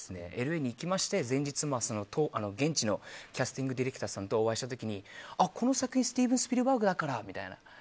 ＬＡに行きまして前日、現地のキャスティングディレクターさんとお会いした時にこの作品、スティーブン・スピルバーグだから！